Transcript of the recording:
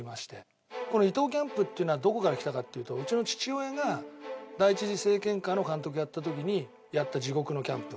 この伊東キャンプっていうのはどこからきたかっていうとうちの父親が第一次政権下の監督をやった時にやった地獄のキャンプ。